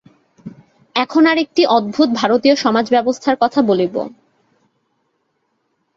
এখন আর একটি অদ্ভুত ভারতীয় সমাজ-ব্যবস্থার কথা বলিব।